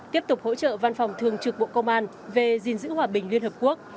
tiếp tục hỗ trợ văn phòng thường trực bộ công an về dinh dữ hòa bình liên hợp quốc